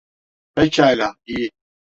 Pekala, iyi.